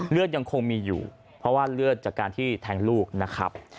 ยังคงมีอยู่เพราะว่าเลือดจากการที่แทงลูกนะครับ